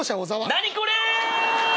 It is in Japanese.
何これっ！